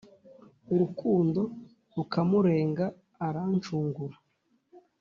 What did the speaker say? urukundo Rukamurenga arancungura